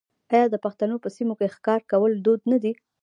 آیا د پښتنو په سیمو کې ښکار کول دود نه دی؟